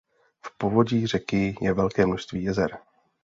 V povodí řeky je velké množství jezer.